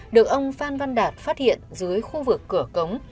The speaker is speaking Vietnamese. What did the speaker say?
được ông phan văn đạt phát hiện dưới khu vực cửa cống